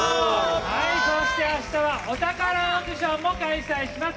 そしてあしたはお宝オークションも開催します。